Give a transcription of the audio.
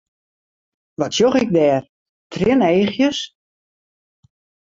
Wat sjoch ik dêr, trieneachjes?